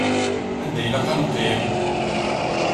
Anda ilaq ad neqqim?